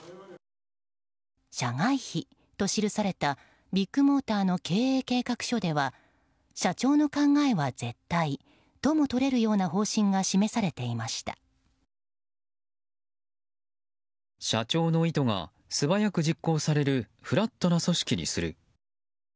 社外秘と記されたビッグモーターの経営計画書では社長の考えは絶対ともとれるような方針が社長の意図が素早く実行されるフラットな組織にする。